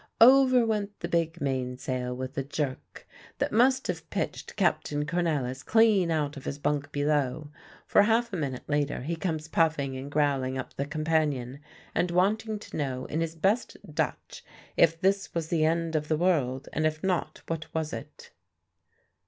Over went the big mainsail with a jerk that must have pitched Captain Cornelisz clean out of his bunk below; for half a minute later he comes puffing and growling up the companion and wanting to know in his best Dutch if this was the end of the world, and if not, what was it?